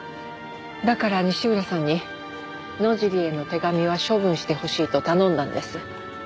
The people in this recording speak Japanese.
だから西浦さんに野尻への手紙は処分してほしいと頼んだんです。